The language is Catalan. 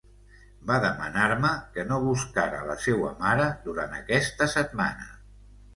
Va demanar-me que no buscara la seua mare durant aquesta setmana.